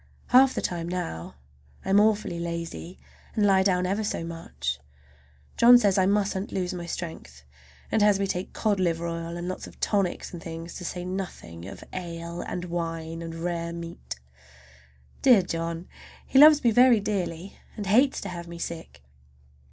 Half the time now I am awfully lazy, and lie down ever so much. John says I musn't lose my strength, and has me take cod liver oil and lots of tonics and things, to say nothing of ale and wine and rare meat. Dear John! He loves me very dearly, and hates to have me sick.